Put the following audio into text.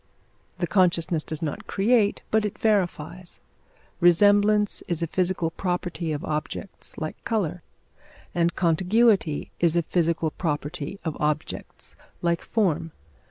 The consciousness does not create, but it verifies. Resemblance is a physical property of objects, like colour; and contiguity is a physical property of objects, like form.